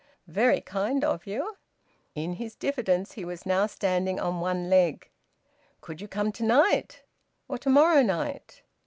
"Very kind of you." In his diffidence he was now standing on one leg. "Could you come to night? ... Or to morrow night?"